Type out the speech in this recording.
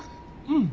うん。